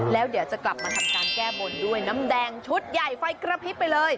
แล้วเดี๋ยวจะกลับมาทำการแก้บนด้วยน้ำแดงชุดใหญ่ไฟกระพริบไปเลย